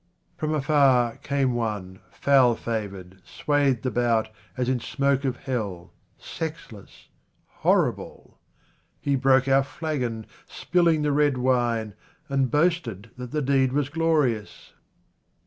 FROM afar came one foul favoured, swathed about as in smoke of hell, sexless, horrible ! He broke our flagon, spilling the red wine, and boasted that the deed was glorious.